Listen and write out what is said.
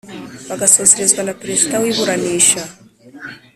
bagasozerezwa na Perezida w iburanisha